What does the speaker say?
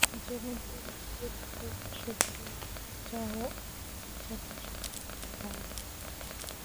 যেমন তুমি যে নিজেও অসুখী এবং চাও অন্যরাও যেন অসুখী হয়।